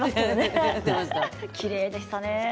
きれいでしたね。